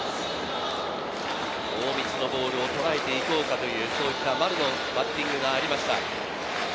大道のボールをとらえて行こうかという、そういった丸のバッティングがありました。